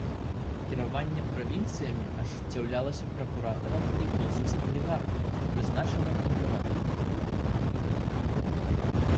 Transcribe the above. Кіраванне правінцыямі ажыццяўлялася пракуратарам і консульскім легатам, прызначаным імператарам.